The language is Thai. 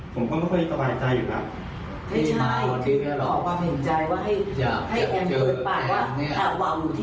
ผมก็ไม่ค่อยสบายใจอยู่แล้ว